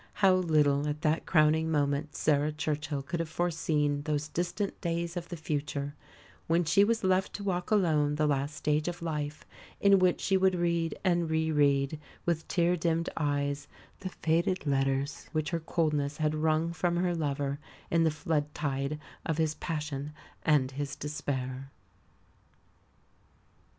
How little, at that crowning moment, Sarah Churchill could have foreseen those distant days of the future, when she was left to walk alone the last stage of life, in which she would read and re read, with tear dimmed eyes, the faded letters which her coldness had wrung from her lover in the flood tide of his passion and his despair.